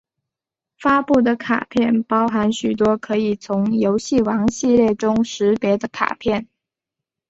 发布的卡片包含许多可以从游戏王系列中识别的卡片！